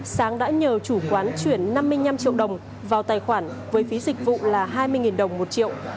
sáng đã nhờ chủ quán chuyển năm mươi năm triệu đồng vào tài khoản với phí dịch vụ là hai mươi đồng một triệu